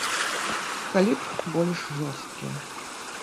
Калі б больш жорсткія.